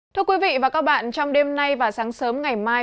thưa quý vị và các bạn trong đêm nay và sáng sớm ngày mai